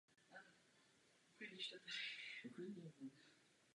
Jeho nejoblíbenějším hudebním skladatelem a inspirací byl Johan Sebastian Bach.